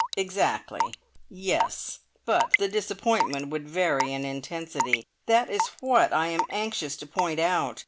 "Exactly. Yes; but the disappointment would vary in intensity. That is what I am anxious to point out.